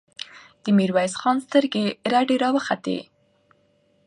د ميرويس خان سترګې رډې راوختې.